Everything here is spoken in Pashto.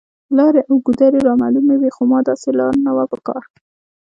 لارې او ګودرې رامعلومې وې، خو ما داسې لار نه وه په کار.